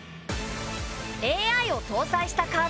ＡＩを搭載したカーナビ。